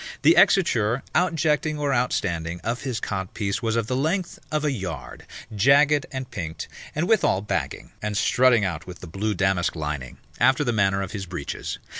The exiture, outjecting or outstanding, of his codpiece was of the length of a yard, jagged and pinked, and withal bagging, and strutting out with the blue damask lining, after the manner of his breeches.